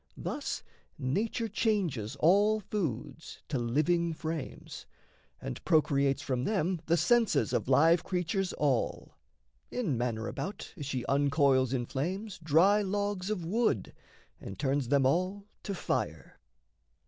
Thus nature changes All foods to living frames, and procreates From them the senses of live creatures all, In manner about as she uncoils in flames Dry logs of wood and turns them all to fire.